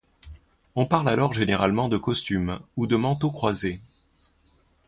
On parle alors généralement de costume ou de manteau croisé.